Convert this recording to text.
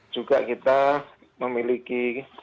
juga kita memiliki